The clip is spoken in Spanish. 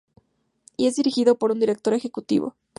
Y es dirigido por un director ejecutivo.